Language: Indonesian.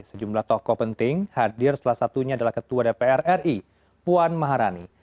sejumlah tokoh penting hadir salah satunya adalah ketua dpr ri puan maharani